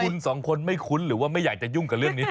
คุณสองคนไม่คุ้นหรือว่าไม่อยากจะยุ่งกับเรื่องนี้